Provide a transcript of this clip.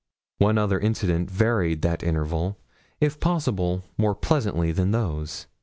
One other incident varied that interval, if possible more pleasantly than those.